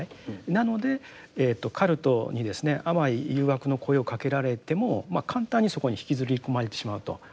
なのでカルトにですね甘い誘惑の声をかけられても簡単にそこに引きずり込まれてしまうと。